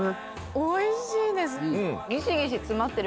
おいしいです。